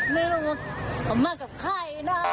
ไม่รู้ว่าเขามากับใครนะ